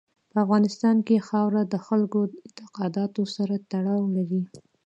په افغانستان کې خاوره د خلکو اعتقاداتو سره تړاو لري.